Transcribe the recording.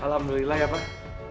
alhamdulillah ya pak